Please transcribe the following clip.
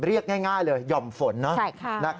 เรียกง่ายเลยหย่อมฝนนะ